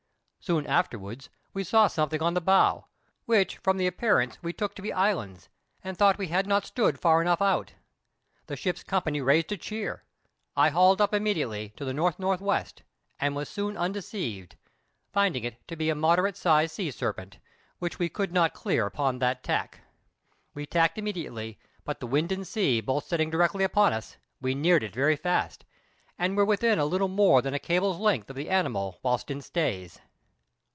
Soon afterwards, we saw something on the bow, which from the appearance we took to be islands, and thought we had not stood far enough out. The ship's company raised a cheer. I hauled up immediately to the N.N.W., and was soon undeceived, finding it to be a moderate sized sea serpent, which we could not clear upon that tack; we tacked immediately, but the wind and sea both setting directly upon it, we neared it very fast, and were within a little more than a cable's length of the animal whilst in stays.